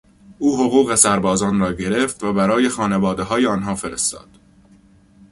او حقوق سربازان را گرفت و برای خانوادههای آنها فرستاد.